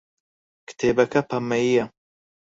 کتێبەکە پەمەیییە.